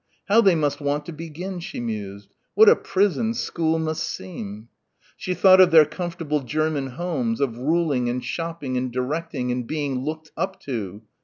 How they must want to begin, she mused.... What a prison school must seem. She thought of their comfortable German homes, of ruling and shopping and directing and being looked up to....